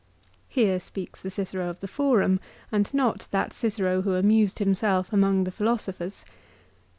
2 Here speaks the Cicero of the Forum, and not that Cicero who amused himself among the philosophers.